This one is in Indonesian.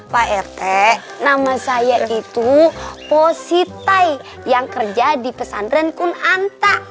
pak rt nama saya itu pos sita yang kerja di pesan renkun anta